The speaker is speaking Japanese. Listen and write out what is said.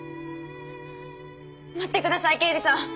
待ってください刑事さん。